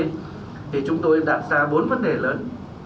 thì chúng tôi đặt ra bốn vấn đề lớn